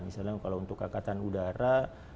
misalnya kalau untuk angkatan udara